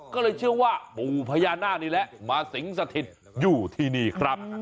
ก็เลยเชื่อว่าปู่พญานาคนี่แหละมาสิงสถิตอยู่ที่นี่ครับ